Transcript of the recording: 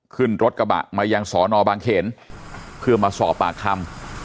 ขึ้นรถกระบะมายังสอนอบางเขนเพื่อมาสอบปากคำ